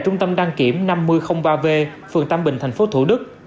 trung tâm đăng kiểm năm mươi ba v phường tam bình tp thủ đức